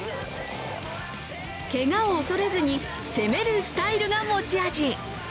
けがを恐れずに、攻めるスタイルが持ち味。